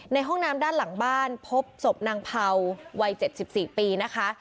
ในห้องน้ำด้านหลังบ้านพบศพนางเภาวัยเจ็ดสิบสี่ปีนะคะ